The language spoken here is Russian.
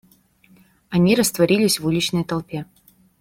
Они растворились в уличной толпе.